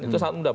itu sangat mudah